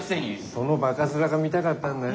そのバカ面が見たかったんだよ。